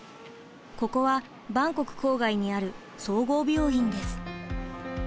ここはバンコク郊外にある総合病院です。